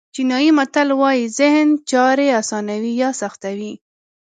چینایي متل وایي ذهن چارې آسانوي یا سختوي.